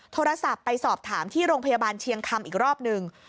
โทรศัพท์ไปสอบถามที่โรงพยาบาลเชียงคำอีกรอบหนึ่ง